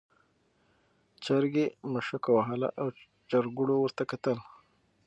چرګې مښوکه وهله او چرګوړو ورته کتل.